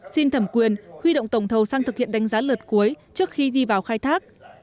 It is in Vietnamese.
xin thẩm quyền huy động tổng thầu sang thực hiện đánh giá lượt cuối trước khi đi vào khai thác